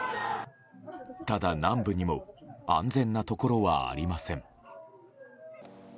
ただ南部にも安全なところはありません。